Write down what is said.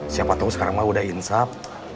siapa tahu sekarang mah udah insaf